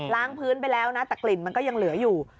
งพื้นไปแล้วนะแต่กลิ่นมันก็ยังเหลืออยู่